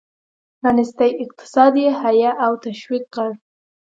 پرانیستی اقتصاد یې حیه او تشویق کړ.